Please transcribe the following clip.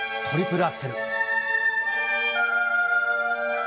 トリプルアクセル。